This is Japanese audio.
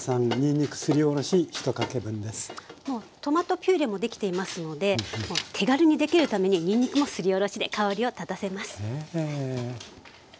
もうトマトピュレもできていますので手軽にできるためににんにくもすりおろしで香りを立たせます。